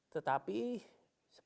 tetapi seperti ini